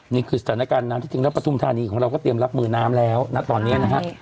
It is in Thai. นี่คือสถานการณ์น้ำที่จริงแล้วปฐุมธานีของเราก็เตรียมรับมือน้ำแล้วนะตอนนี้นะฮะ